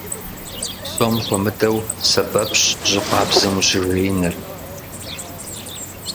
Псом хуэмыдэу сэбэпщ жьы къабзэм ущыжеиныр.